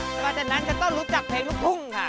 เพราะฉะนั้นจะต้องรู้จักเพลงลูบพุ่งค่ะ